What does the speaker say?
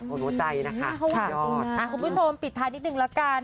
ขนวดใจนะคะยอดค่ะคุณพุทธโทมปิดทางนิดหนึ่งแล้วกัน